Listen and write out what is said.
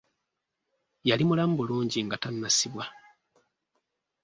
Yali mulamu bulungi nga tannasibwa.